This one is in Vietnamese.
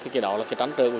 cây ăn quả